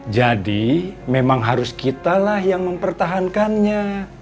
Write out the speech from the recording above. jadi memang harus kitalah yang mempertahankannya